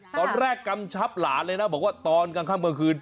กำชับหลานเลยนะบอกว่าตอนกลางค่ำกลางคืน